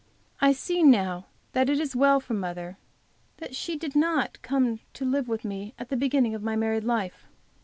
I see now that it is well for mother that she did not come to live with me at the beginning of my married life.